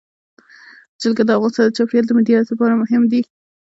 جلګه د افغانستان د چاپیریال د مدیریت لپاره مهم دي.